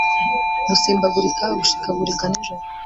gusimbagurika gushikagurika nijoro